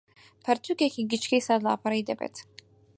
پەرتووکێکی گچکەی سەد لاپەڕەیی دەبێت